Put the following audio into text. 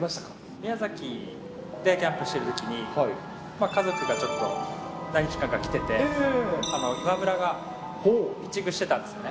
宮崎でキャンプしてるときに、家族がちょっと、何日間か来てて、今村がピッチングしてたんですね。